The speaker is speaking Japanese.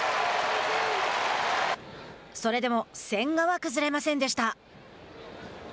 それでも千賀は崩れませんでした。